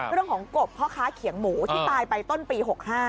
เรื่องของกบพ่อค้าเขียงหมูที่ตายไปต้นปี๖๕